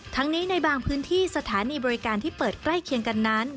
ทั้งนี้ในบางพื้นที่สถานีบริการที่เปิดใกล้เคียงกันนั้น